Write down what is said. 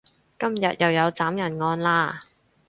今日又有斬人案喇